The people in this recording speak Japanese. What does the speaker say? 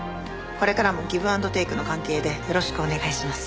これからもギブ・アンド・テイクの関係でよろしくお願いします。